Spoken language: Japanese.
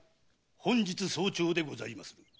本日早朝でございます。